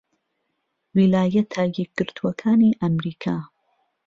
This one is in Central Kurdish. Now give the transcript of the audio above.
ویلایەتە یەکگرتووەکانی ئەمریکا